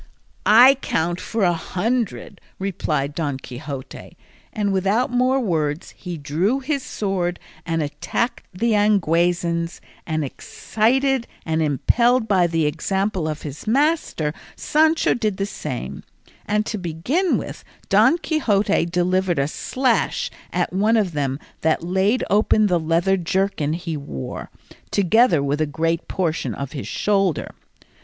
"I count for a hundred," replied Don Quixote, and without more words he drew his sword and attacked the Yanguesans and excited and impelled by the example of his master, Sancho did the same; and to begin with, Don Quixote delivered a slash at one of them that laid open the leather jerkin he wore, together with a great portion of his shoulder.